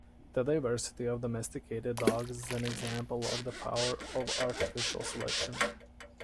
The diversity of domesticated dogs is an example of the power of artificial selection.